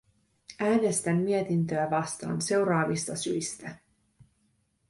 Äänestän mietintöä vastaan seuraavista syistä.